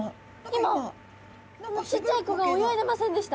今ちっちゃい子が泳いでませんでした？